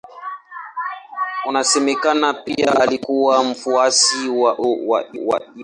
Inasemekana pia alikuwa mfuasi wa Augustino wa Hippo.